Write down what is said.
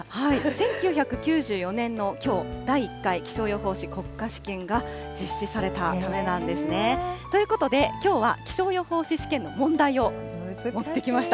１９９４年のきょう、第１回気象予報士国家試験が実施されたためなんですね。ということで、きょうは、気象予報士試験の問題を持ってきました。